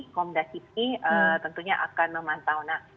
kompasiti tentunya akan memantau